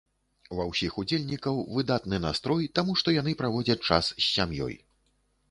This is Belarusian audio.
Ва ўсіх удзельнікаў выдатны настрой, таму што яны праводзяць час з сям'ёй.